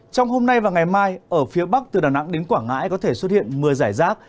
trong hôm nay và ngày mai ở phía bắc từ đà nẵng đến quảng ngãi có thể xuất hiện mưa rải rác